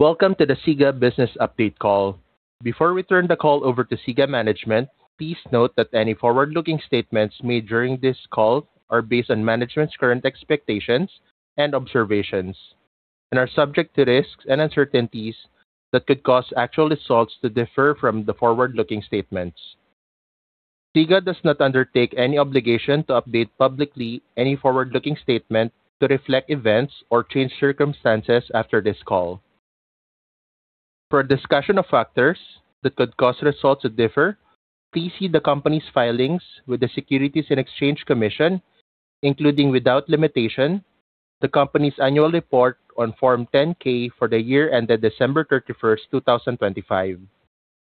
Welcome to the SIGA business update call. Before we turn the call over to SIGA management, please note that any forward-looking statements made during this call are based on management's current expectations and observations and are subject to risks and uncertainties that could cause actual results to differ from the forward-looking statements. SIGA does not undertake any obligation to update publicly any forward-looking statement to reflect events or changed circumstances after this call. For a discussion of factors that could cause results to differ, please see the company's filings with the Securities and Exchange Commission, including, without limitation, the company's annual report on Form 10-K for the year ended December 31st, 2025,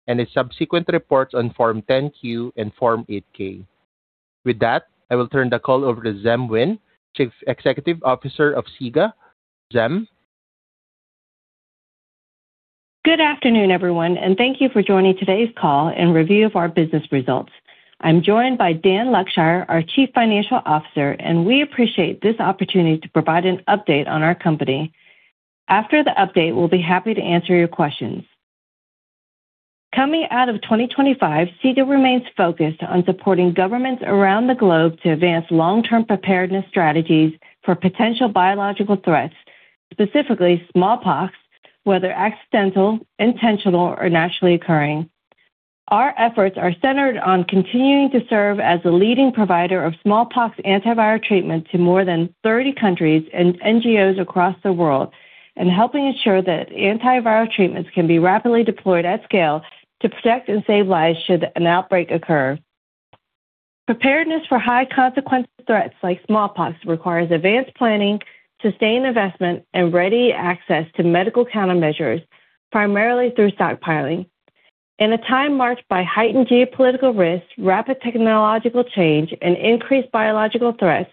and its subsequent reports on Form 10-Q and Form 8-K. With that, I will turn the call over to Diem Nguyen, Chief Executive Officer of SIGA. Diem? Good afternoon, everyone, and thank you for joining today's call and review of our business results. I'm joined by Dan Luckshire, our Chief Financial Officer, and we appreciate this opportunity to provide an update on our company. After the update, we'll be happy to answer your questions. Coming out of 2025, SIGA remains focused on supporting governments around the globe to advance long-term preparedness strategies for potential biological threats, specifically smallpox, whether accidental, intentional, or naturally occurring. Our efforts are centered on continuing to serve as a leading provider of smallpox antiviral treatment to more than 30 countries and NGOs across the world and helping ensure that antiviral treatments can be rapidly deployed at scale to protect and save lives should an outbreak occur. Preparedness for high-consequence threats like smallpox requires advanced planning, sustained investment, and ready access to medical countermeasures, primarily through stockpiling. In a time marked by heightened geopolitical risks, rapid technological change, and increased biological threats,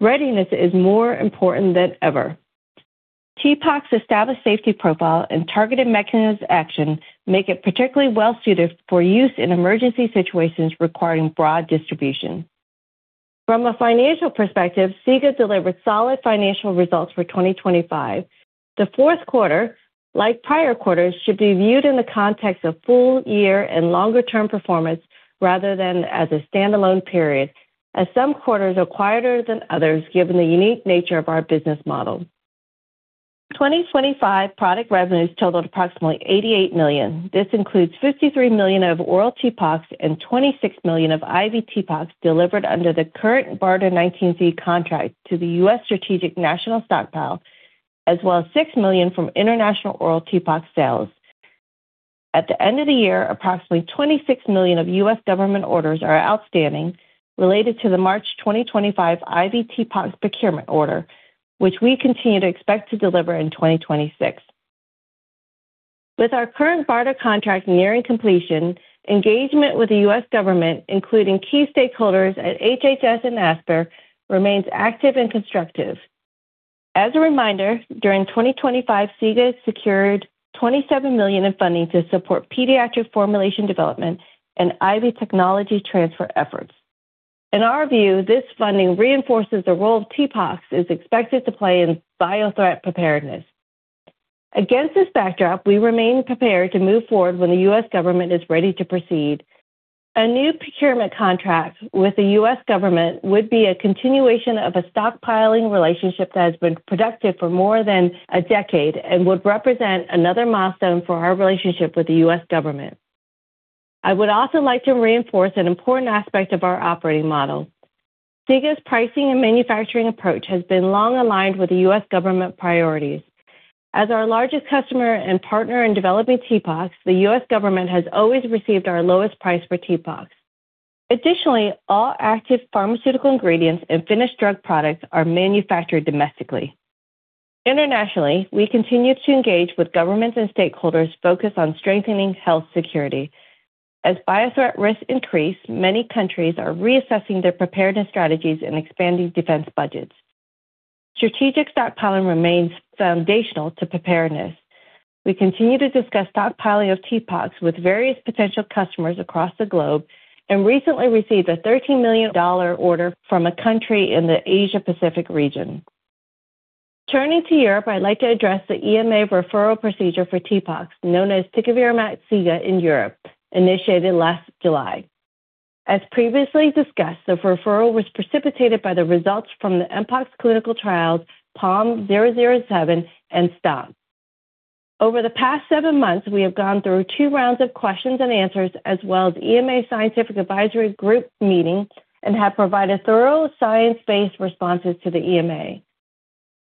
readiness is more important than ever. TPOXX's established safety profile and targeted mechanism of action make it particularly well-suited for use in emergency situations requiring broad distribution. From a financial perspective, SIGA delivered solid financial results for 2025. The fourth quarter, like prior quarters, should be viewed in the context of full year and longer-term performance rather than as a standalone period, as some quarters are quieter than others, given the unique nature of our business model. 2025 product revenues totaled approximately $88 million. This includes $53 million of oral TPOXX and $26 million of IV TPOXX delivered under the current BARDA 19C contract to the U.S. Strategic National Stockpile, as well as $6 million from international oral TPOXX sales. At the end of the year, approximately $26 million of U.S. government orders are outstanding related to the March 2025 IV TPOXX procurement order, which we continue to expect to deliver in 2026. With our current BARDA contract nearing completion, engagement with the U.S. government, including key stakeholders at HHS and ASPR, remains active and constructive. As a reminder, during 2025, SIGA secured $27 million in funding to support pediatric formulation development and IV technology transfer efforts. In our view, this funding reinforces the role TPOXX is expected to play in biothreat preparedness. Against this backdrop, we remain prepared to move forward when the U.S. government is ready to proceed. A new procurement contract with the U.S. government would be a continuation of a stockpiling relationship that has been productive for more than a decade and would represent another milestone for our relationship with the U.S. government. I would also like to reinforce an important aspect of our operating model. SIGA's pricing and manufacturing approach has been long aligned with the U.S. government priorities. As our largest customer and partner in developing TPOXX, the U.S. government has always received our lowest price for TPOXX. Additionally, all active pharmaceutical ingredients and finished drug products are manufactured domestically. Internationally, we continue to engage with governments and stakeholders focused on strengthening health security. As biothreat risks increase, many countries are reassessing their preparedness strategies and expanding defense budgets. Strategic stockpiling remains foundational to preparedness. We continue to discuss stockpiling of TPOXX with various potential customers across the globe and recently received a $13 million order from a country in the Asia-Pacific region. Turning to Europe, I'd like to address the EMA referral procedure for TPOXX, known as Tecovirimat SIGA in Europe, initiated last July. As previously discussed, the referral was precipitated by the results from the mpox clinical trials PALM 007 and STOMP. Over the past seven months, we have gone through two rounds of questions and answers as well as EMA scientific advisory group meetings and have provided thorough science-based responses to the EMA.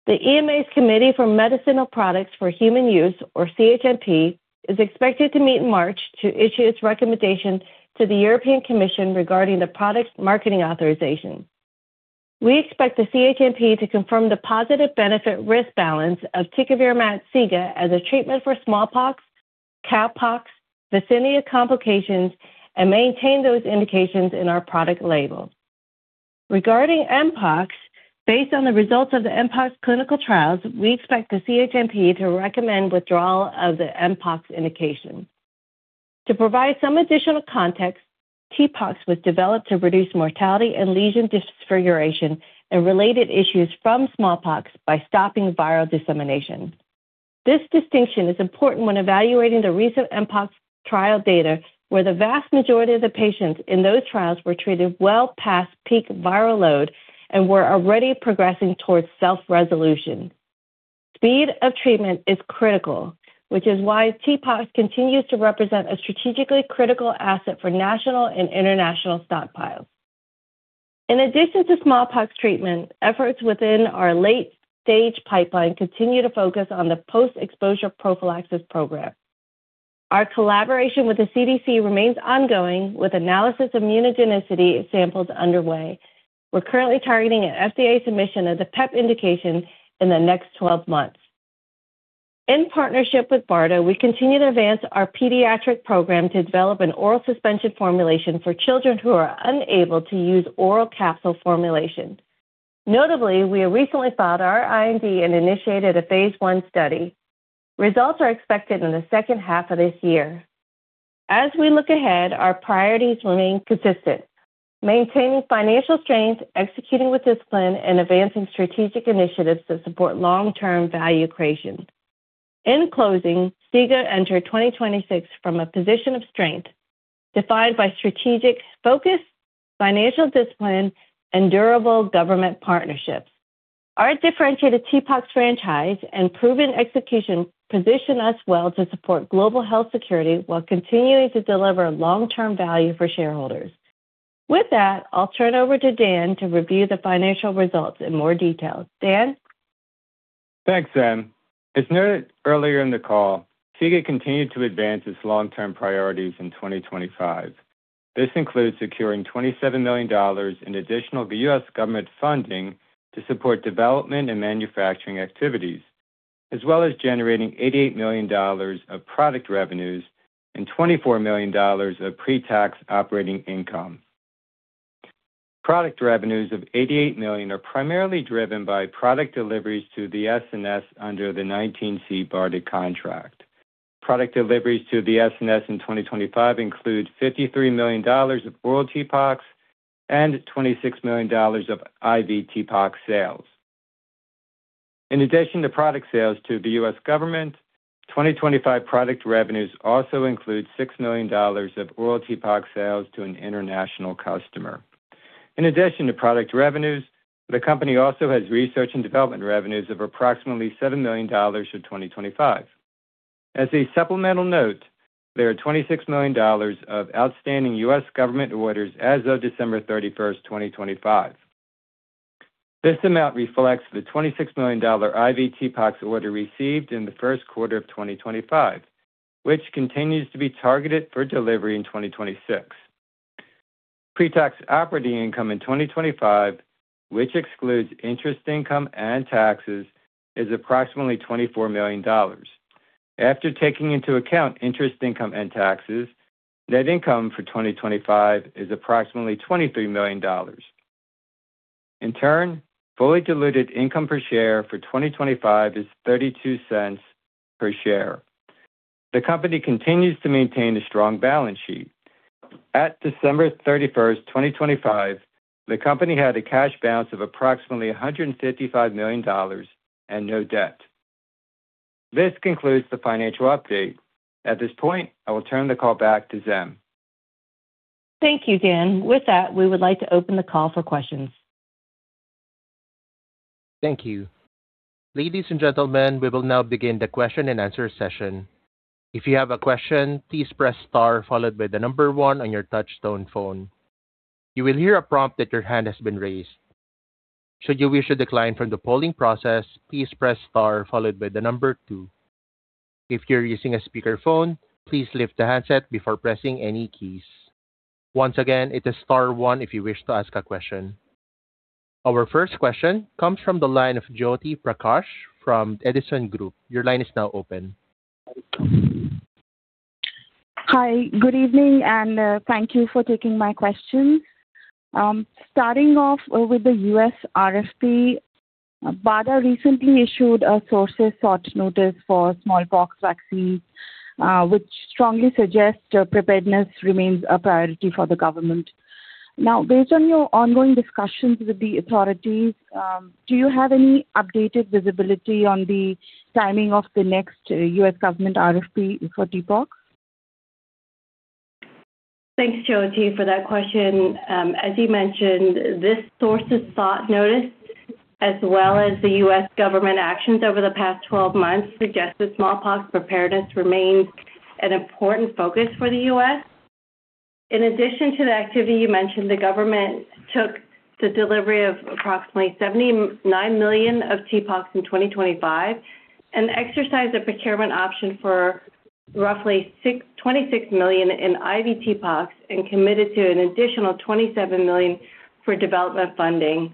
The EMA's Committee for Medicinal Products for Human Use, or CHMP, is expected to meet in March to issue its recommendation to the European Commission regarding the product's marketing authorization. We expect the CHMP to confirm the positive benefit-risk balance of Tecovirimat SIGA as a treatment for smallpox, cowpox, vaccinia complications, and maintain those indications in our product label. Regarding mpox, based on the results of the mpox clinical trials, we expect the CHMP to recommend withdrawal of the mpox indication. To provide some additional context, TPOXX was developed to reduce mortality and lesion disfigurement and related issues from smallpox by stopping viral dissemination. This distinction is important when evaluating the recent mpox trial data, where the vast majority of the patients in those trials were treated well past peak viral load and were already progressing towards self-resolution. Speed of treatment is critical, which is why TPOXX continues to represent a strategically critical asset for national and international stockpiles. In addition to smallpox treatment, efforts within our late-stage pipeline continue to focus on the post-exposure prophylaxis program. Our collaboration with the CDC remains ongoing, with analysis of immunogenicity samples underway. We're currently targeting an FDA submission of the PEP indication in the next 12 months. In partnership with BARDA, we continue to advance our pediatric program to develop an oral suspension formulation for children who are unable to use oral capsule formulations. Notably, we have recently filed our IND and initiated a phase I study. Results are expected in the second half of this year. As we look ahead, our priorities remain consistent, maintaining financial strength, executing with discipline, and advancing strategic initiatives that support long-term value creation. In closing, SIGA entered 2026 from a position of strength defined by strategic focus, financial discipline, and durable government partnerships. Our differentiated TPOXX franchise and proven execution position us well to support global health security while continuing to deliver long-term value for shareholders. With that, I'll turn it over to Dan to review the financial results in more detail. Dan? Thanks, Diem. As noted earlier in the call, SIGA continued to advance its long-term priorities in 2025. This includes securing $27 million in additional U.S. government funding to support development and manufacturing activities, as well as generating $88 million of product revenues and $24 million of pretax operating income. Product revenues of $88 million are primarily driven by product deliveries to the SNS under the 19C BARDA contract. Product deliveries to the SNS in 2025 include $53 million of oral TPOXX and $26 million of IV TPOXX sales. In addition to product sales to the U.S. government, 2025 product revenues also include $6 million of oral TPOXX sales to an international customer. In addition to product revenues, the company also has research and development revenues of approximately $7 million for 2025. As a supplemental note, there are $26 million of outstanding U.S. government orders as of December 31st, 2025. This amount reflects the $26 million IV TPOXX order received in the first quarter of 2025, which continues to be targeted for delivery in 2026. Pretax operating income in 2025, which excludes interest income and taxes, is approximately $24 million. After taking into account interest income and taxes, net income for 2025 is approximately $23 million. In turn, fully diluted income per share for 2025 is $0.32 per share. The company continues to maintain a strong balance sheet. At December 31st, 2025, the company had a cash balance of approximately $155 million and no debt. This concludes the financial update. At this point, I will turn the call back to Diem. Thank you, Dan. With that, we would like to open the call for questions. Thank you. Ladies and gentlemen, we will now begin the question-and-answer session. If you have a question, please press star followed by the number one on your touch tone phone. You will hear a prompt that your hand has been raised. Should you wish to decline from the polling process, please press star followed by the number two. If you're using a speakerphone, please lift the handset before pressing any keys. Once again, it is star one if you wish to ask a question. Our first question comes from the line of Jyoti Prakash from Edison Group. Your line is now open. Hi. Good evening, and thank you for taking my question. Starting off with the U.S. RFP, BARDA recently issued a sources sought notice for smallpox vaccines, which strongly suggests preparedness remains a priority for the government. Now, based on your ongoing discussions with the authorities, do you have any updated visibility on the timing of the next U.S. government RFP for TPOXX? Thanks, Jyoti, for that question. As you mentioned, this sources sought notice as well as the U.S. government actions over the past 12 months suggest that smallpox preparedness remains an important focus for the U.S. In addition to the activity you mentioned, the government took the delivery of approximately $79 million of TPOXX in 2025 and exercised a procurement option for roughly $26 million in IV TPOXX and committed to an additional $27 million for development funding.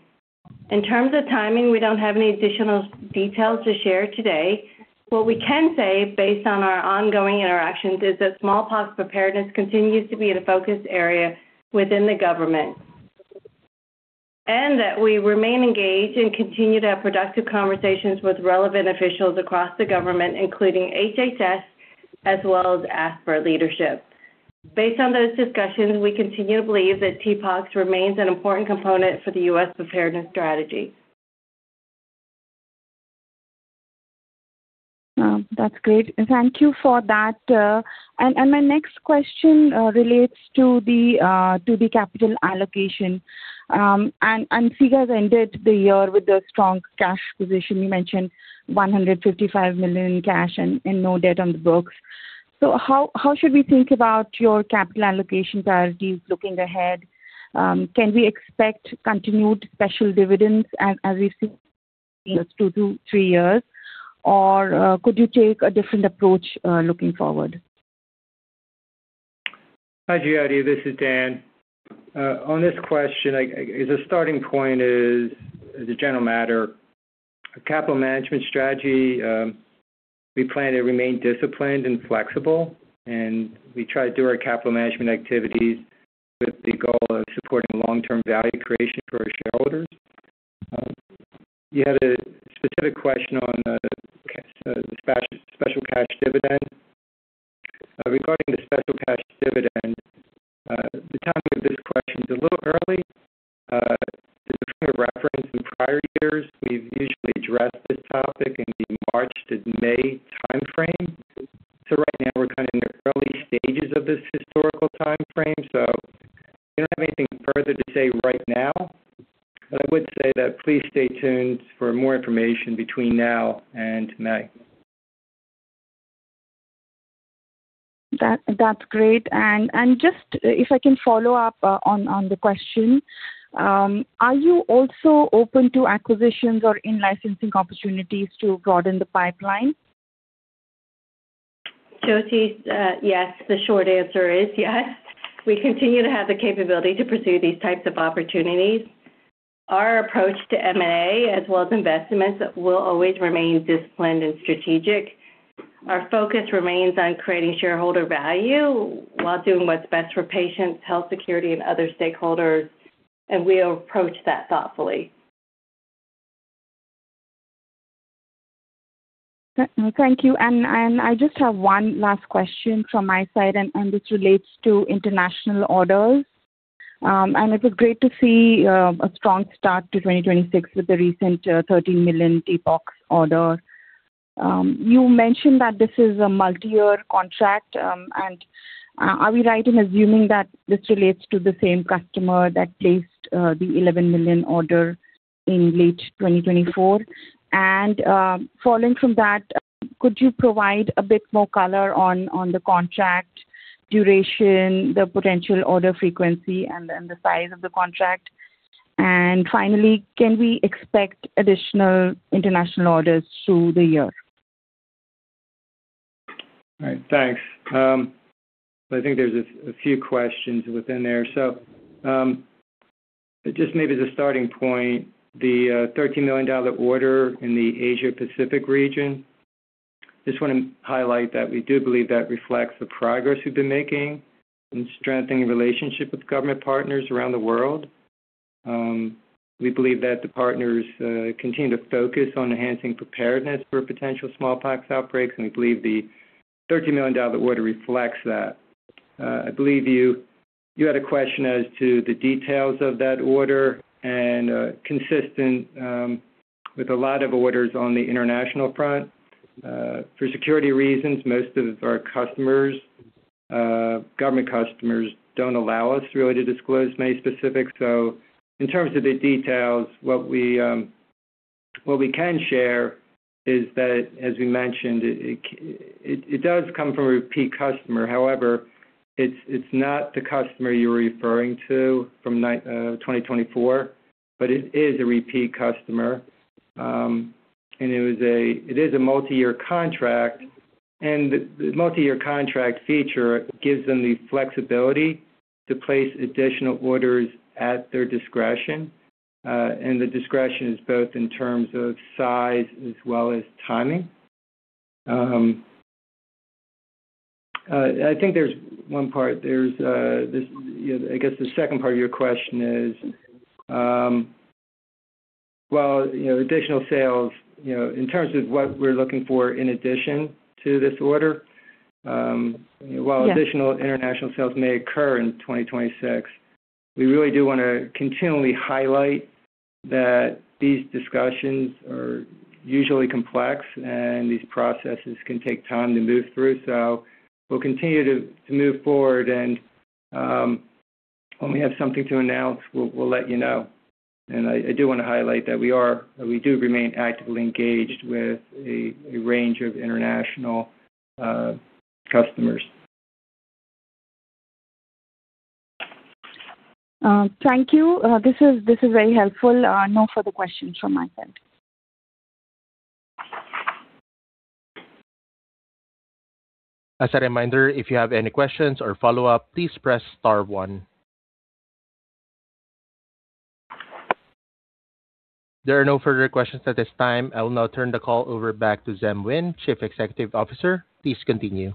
In terms of timing, we don't have any additional details to share today. What we can say based on our ongoing interactions is that smallpox preparedness continues to be a focus area within the government. That we remain engaged and continue to have productive conversations with relevant officials across the government, including HHS as well as ASPR leadership. Based on those discussions, we continue to believe that TPOXX remains an important component for the U.S. preparedness strategy. That's great. Thank you for that. My next question relates to the capital allocation. Figures ended the year with a strong cash position. You mentioned $155 million in cash and no debt on the books. How should we think about your capital allocation priorities looking ahead? Can we expect continued special dividends as we've seen two-three years, or could you take a different approach looking forward? Hi, Jyoti. This is Dan. On this question, as a starting point is, as a general matter, capital management strategy, we plan to remain disciplined and flexible, and we try to do our capital management activities with the goal of supporting long-term value creation for our shareholders. You had a specific question on the special cash dividend. Regarding the special cash dividend, the timing of this question is a little early. Just for your reference, in prior years, we've usually addressed this topic in the March to May timeframe. Right now we're kind of in the early stages of this historical timeframe, so we don't have anything further to say right now. I would say that please stay tuned for more information between now and May. That's great. Just if I can follow up on the question, are you also open to acquisitions or in-licensing opportunities to broaden the pipeline? Jyoti, yes. The short answer is yes. We continue to have the capability to pursue these types of opportunities. Our approach to M&A as well as investments will always remain disciplined and strategic. Our focus remains on creating shareholder value while doing what's best for patients, health, security and other stakeholders, and we approach that thoughtfully. Thank you. I just have one last question from my side and this relates to international orders. It was great to see a strong start to 2026 with the recent $13 million TPOXX order. You mentioned that this is a multi-year contract. Are we right in assuming that this relates to the same customer that placed the $11 million order in late 2024? Following from that, could you provide a bit more color on the contract duration, the potential order frequency and the size of the contract? Finally, can we expect additional international orders through the year? All right. Thanks. I think there's a few questions within there. Just maybe the starting point, the $13 million order in the Asia-Pacific region, just wanna highlight that we do believe that reflects the progress we've been making in strengthening relationship with government partners around the world. We believe that the partners continue to focus on enhancing preparedness for potential smallpox outbreaks, and we believe the $13 million order reflects that. I believe you had a question as to the details of that order. Consistent with a lot of orders on the international front, for security reasons, most of our customers, government customers don't allow us really to disclose many specifics. In terms of the details, what we can share is that, as we mentioned, it does come from a repeat customer. However, it's not the customer you're referring to from 2024, but it is a repeat customer. It is a multi-year contract. The multi-year contract feature gives them the flexibility to place additional orders at their discretion. The discretion is both in terms of size as well as timing. I think there's one part, this you know, I guess the second part of your question is, well, you know, additional sales, you know, in terms of what we're looking for in addition to this order. Yes. While additional international sales may occur in 2026, we really do wanna continually highlight that these discussions are usually complex and these processes can take time to move through. We'll continue to move forward and when we have something to announce, we'll let you know. I do wanna highlight that we do remain actively engaged with a range of international customers. Thank you. This is very helpful. No further questions from my side. As a reminder, if you have any questions or follow-up, please press star one. There are no further questions at this time. I will now turn the call over back to Diem Nguyen, Chief Executive Officer. Please continue.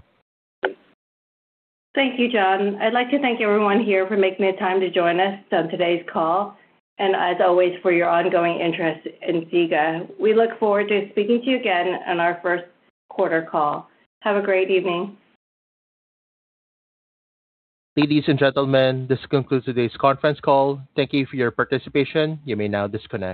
Thank you, John. I'd like to thank everyone here for making the time to join us on today's call and as always, for your ongoing interest in SIGA. We look forward to speaking to you again on our first quarter call. Have a great evening. Ladies and gentlemen, this concludes today's conference call. Thank you for your participation. You may now disconnect.